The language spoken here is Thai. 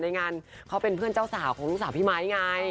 ในงานเขาเป็นเพื่อนเจ้าสาวของลูกสาวพี่ไมค์ไง